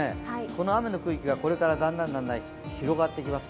この雨の区域がこれからだんだん広がってきます。